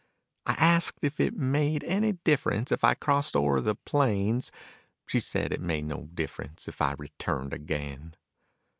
I asked if it made any difference if I crossed o'er the plains; She said it made no difference if I returned again.